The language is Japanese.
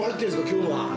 今日のは。